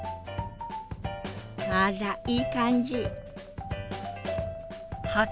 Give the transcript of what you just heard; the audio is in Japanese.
あらいい感じ！